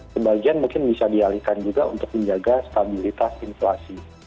sebagian mungkin bisa dialihkan juga untuk menjaga stabilitas inflasi